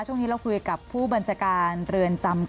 ช่วงนี้เราคุยกับผู้บัญชาการเรือนจำ